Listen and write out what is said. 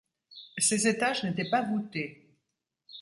Ses étages n'étaient pas voûtés.